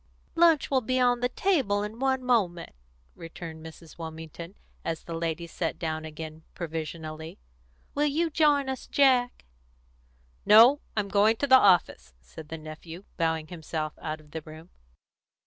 "Lunch will be on the table in one moment," returned Mrs. Wilmington, as the ladies sat down again provisionally. "Will you join us, Jack?" "No; I'm going to the office," said the nephew, bowing himself out of the room.